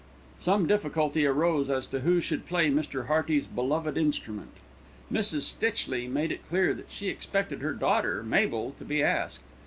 Some difficulty arose as to who should play Mr. Hearty's beloved instrument. Mrs. Stitchley made it clear that she expected her daughter, Mabel, to be asked.